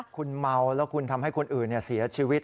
คุณเมาแล้วคุณทำให้คนอื่นเสียชีวิต